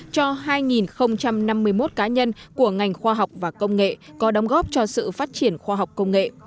cho hai năm mươi một cá nhân của ngành khoa học và công nghệ có đóng góp cho sự phát triển khoa học công nghệ